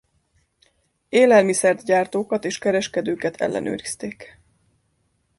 Élelmiszert gyártókat és kereskedőket ellenőrizték.